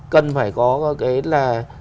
cần phải có cái là